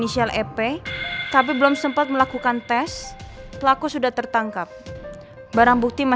saya melakuin itu karena